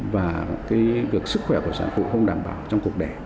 và việc sức khỏe của sản phụ không đảm bảo trong cuộc đẻ